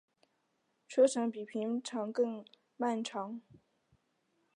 车程比平常更漫长